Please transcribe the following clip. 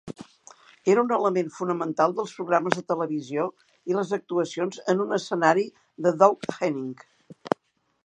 Era un element fonamental dels programes de televisió i les actuacions en un escenari de Doug Henning.